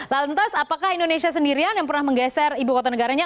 lantas apakah indonesia sendirian yang pernah menggeser ibu kota negaranya